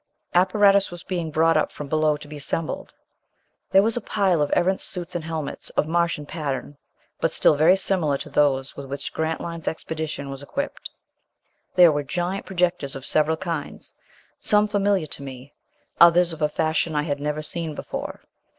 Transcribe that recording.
Apparatus was being brought up from below to be assembled. There was a pile of Erentz suits and helmets, of Martian pattern, but still very similar to those with which Grantline's expedition was equipped. There were giant projectors of several kinds, some familiar to me, others of a fashion I had never seen before.